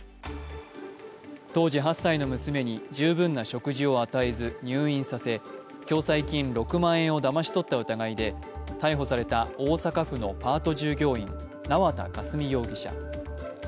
当時８歳の娘に十分な食事を与えず入院させ共済金６万円をだまし取った疑いで逮捕された大阪府のパート従業員、縄田佳純容疑者。